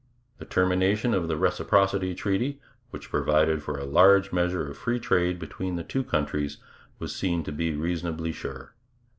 The termination of the Reciprocity Treaty, which provided for a large measure of free trade between the two countries, was seen to be reasonably sure.